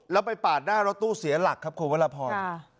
แล้วไปปาดหน้ารถตู้เสียหลักครับครับคุณวันละพรค่ะ